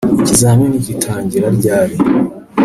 Ikizamini gitangira ryari